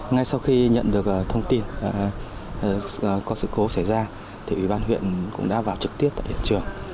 ngay sau khi nhận được thông tin có sự cố xảy ra thì ủy ban huyện cũng đã vào trực tiếp tại hiện trường